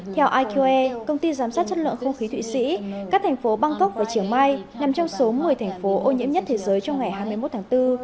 theo iqe công ty giám sát chất lượng không khí thụy sĩ các thành phố bangkok và chiều mai nằm trong số một mươi thành phố ô nhiễm nhất thế giới trong ngày hai mươi một tháng bốn